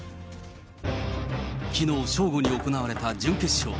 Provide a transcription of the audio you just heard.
きのう正午に行われた準決勝。